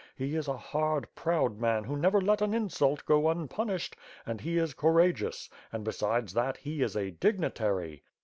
He is a hard, proud man who never let an insult go unpunished, and he is coura geous; and, besides that, he is a 'dignitary.'